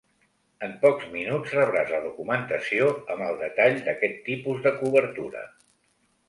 En pocs minuts rebràs la documentació amb el detall d'aquest tipus de cobertura.